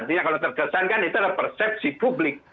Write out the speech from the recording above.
artinya kalau terkesan kan itu adalah persepsi publik